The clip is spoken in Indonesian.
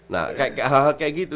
nah hal hal kayak gitu